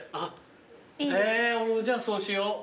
へえじゃあそうしよう。